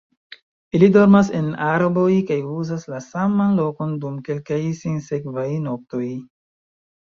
Ili dormas en arboj kaj uzas la saman lokon dum kelkaj sinsekvaj noktoj.